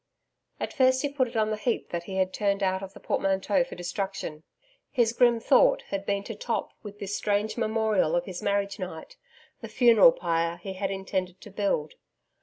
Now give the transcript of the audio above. At first he put it on the heap that he had turned out of the portmanteaux for destruction. His grim thought had been to top with this strange memorial of his marriage night, the funeral pyre he had intended to build.